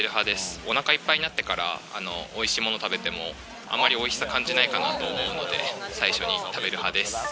おなかいっぱいになってからおいしいものを食べても、あまりおいしさ感じないかなと思うので、最初に食べる派です。